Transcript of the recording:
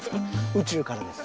宇宙からです。